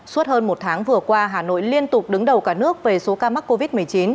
suốt hơn một tháng vừa qua hà nội liên tục đứng đầu cả nước về số ca mắc covid một mươi chín